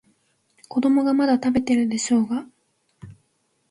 子供がまだ食べてるでしょうが。